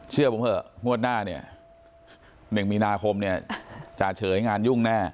เชื่อผมเถอะงวดหน้าเนี่ย๑มีนาคมเนี่ยจ่าเฉยงานยุ่งแน่